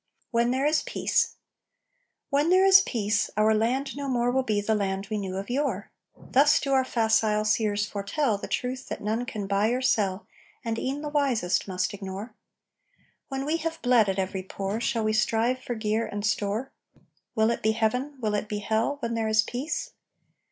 "WHEN THERE IS PEACE" "When there is Peace, our land no more Will be the land we knew of yore." Thus do our facile seers foretell The truth that none can buy or sell And e'en the wisest must ignore. When we have bled at every pore, Shall we still strive for gear and store? Will it be heaven? Will it be hell? When there is Peace?